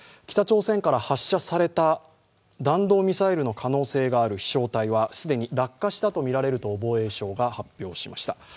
北朝鮮から発射された弾道ミサイルの可能性がある飛翔体は既に落下したとみられると防衛省が発表しました。